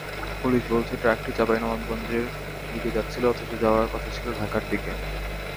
Police বলছে, ট্রাকটি চাঁপাইনবাবগঞ্জের দিকে যাচ্ছিল, অথচ যাওয়ার কথা ছিল ঢাকার দিকে।